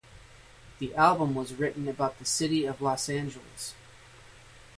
The album was written about the city of Los Angeles.